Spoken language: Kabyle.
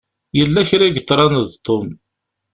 Yella kra i yeḍṛan d Tom.